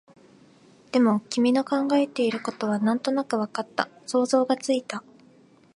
でも、君の考えていることはなんとなくわかった、想像がついた